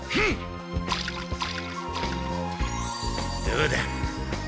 どうだ。